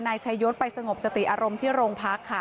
นายชายศไปสงบสติอารมณ์ที่โรงพักค่ะ